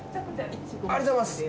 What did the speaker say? ありがとうございます。